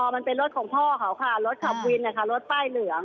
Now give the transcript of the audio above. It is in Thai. มันเป็นรถของพ่อเขาค่ะรถขับวินนะคะรถป้ายเหลือง